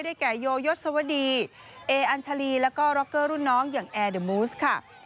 แก่โยยศวดีเออัญชาลีแล้วก็ร็อกเกอร์รุ่นน้องอย่างแอร์เดอร์มูสค่ะ